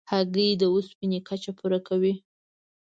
هګۍ د اوسپنې کچه پوره کوي.